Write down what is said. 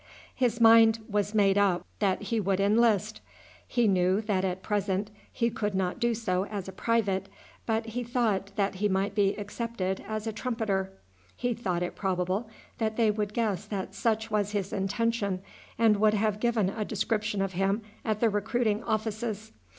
His mind was made up that he would enlist. He knew that at present he could not do so as a private, but he thought that he might be accepted as a trumpeter. He thought it probable that they would guess that such was his intention, and would have given a description of him at the recruiting offices.